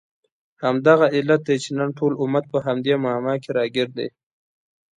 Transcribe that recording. همدغه علت دی چې نن ټول امت په همدې معما کې راګیر دی.